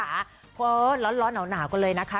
แล้วร้อนเหนาหนาวกลัวเลยนะคะ